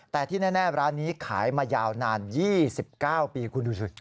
แต่ที่แน่ร้านนี้ขายมายาวนาน๒๙ปีคุณดูสิ